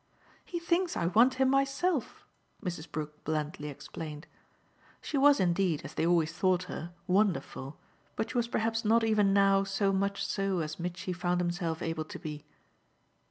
"He thinks I want him myself," Mrs. Brook blandly explained. She was indeed, as they always thought her, "wonderful," but she was perhaps not even now so much so as Mitchy found himself able to be.